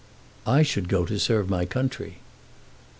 "I should go to serve my country."